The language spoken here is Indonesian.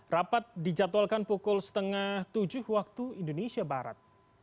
rapat dijadwalkan pukul setengah tujuh waktu indonesia barat